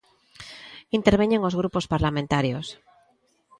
Interveñen os grupos parlamentarios.